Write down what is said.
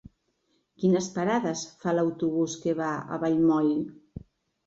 Quines parades fa l'autobús que va a Vallmoll?